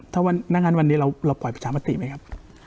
ถ้างั้นวันนี้เราปล่อยประชามติไหมครับ